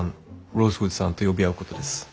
「ローズウッドさん」と呼び合うことです。